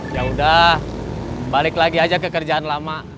ya udah balik lagi aja ke kerjaan lama